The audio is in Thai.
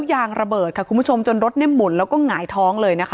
ยางระเบิดจนรถมุนแล้วก็หงายท้อง